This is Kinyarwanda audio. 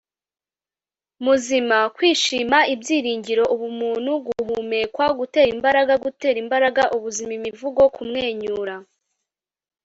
muzima, kwishima, ibyiringiro, ubumuntu, guhumekwa, gutera imbaraga, gutera imbaraga, ubuzima, imivugo, kumwenyura